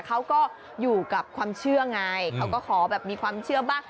เขาก็อยู่กับความเชื่อไงเขาก็ขอแบบมีความเชื่อบ้าง